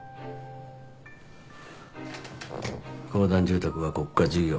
公団住宅は国家事業。